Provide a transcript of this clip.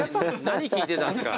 何聞いてたんすか。